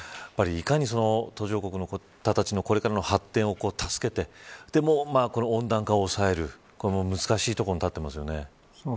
いかに途上国の方たちのこれからの発展を助けてでも、温暖化を抑えるこれも難しいところに立ってますよね。